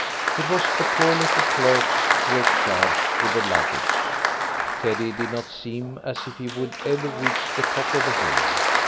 It was the poor little clerks who were charged with the luggage. Teddy did not seem as if he would ever reach the top of the hill.